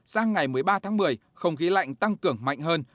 sang ngày một mươi ba tháng một mươi không khí lạnh tăng cường mạnh hơn